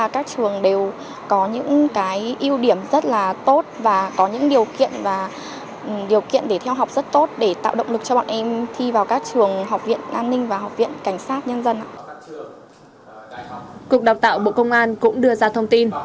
cục đào tạo bộ công an cũng đưa ra thông tin